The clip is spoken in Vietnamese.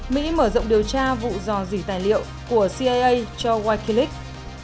mỹ mở rộng điều tra vụ dò dỉ tài liệu của cia cho wikileaks